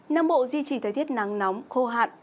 nam bộ duy trì thời tiết nắng nóng khô hạn